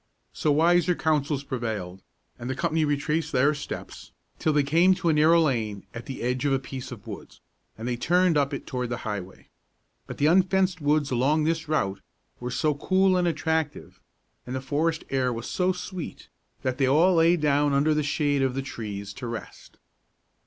So wiser counsels prevailed, and the company retraced their steps till they came to a narrow lane at the edge of a piece of woods, and they turned up it toward the highway; but the unfenced woods along this route were so cool and attractive, and the forest air was so sweet, that they all lay down under the shade of the trees to rest.